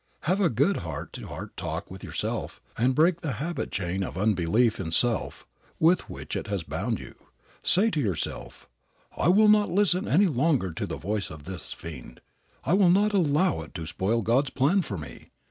Have a good heart to heart talk with yourself and break the habit chain of unbelief in self with which it has bound you. Say to yourself, "I will not listen any longer to the voice of this fiend. I will not allow it to spoil God's plan for me.